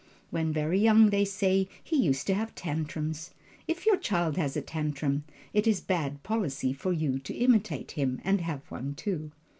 When very young they say he used to have tantrums. If your child has a tantrum, it is bad policy for you to imitate him and have one, too.